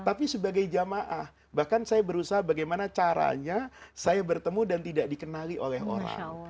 tapi sebagai jamaah bahkan saya berusaha bagaimana caranya saya bertemu dan tidak dikenali oleh orang